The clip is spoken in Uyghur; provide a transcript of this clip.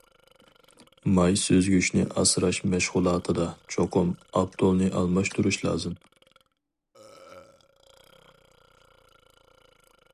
ماي سۈزگۈچنى ئاسراش مەشغۇلاتىدا چوقۇم ئاپتولنى ئالماشتۇرۇش لازىم.